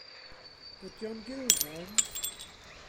Ydy o'n gulfarn?